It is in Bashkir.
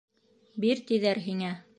Бир тиҙәр һиңә!